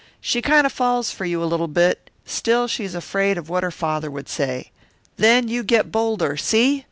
"She kind of falls for you a little bit, still she is afraid of what her father would say. Then you get bolder, see?